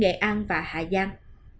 đệ an và hà giang